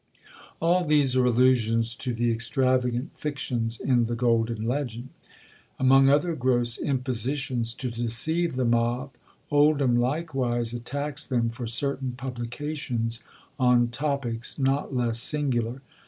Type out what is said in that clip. All these are allusions to the extravagant fictions in the "Golden Legend." Among other gross impositions to deceive the mob, Oldham likewise attacks them for certain publications on topics not less singular.